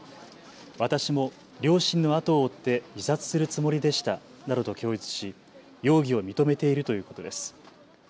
私も両親の後を追って自殺するつもりでしたなどと供述し容疑を認めているということです。